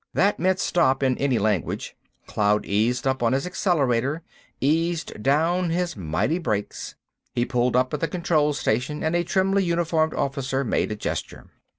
That meant "STOP!" in any language. Cloud eased up his accelerator, eased down his mighty brakes. He pulled up at the control station and a trimly uniformed officer made a gesture.